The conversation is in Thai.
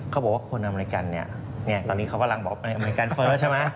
เขาบอกว่าคนอเมริกันตอนนี้เขาพรรณบอกอเมริกันเฟิร์สใช่ไหม